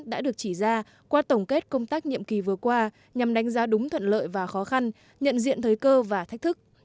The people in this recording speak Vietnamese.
đã được chỉ ra qua tổng kết công tác nhiệm kỳ vừa qua nhằm đánh giá đúng thuận lợi và khó khăn nhận diện thời cơ và thách thức